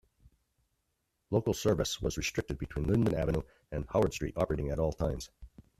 Local service was restricted between Linden Avenue and Howard Street, operating at all times.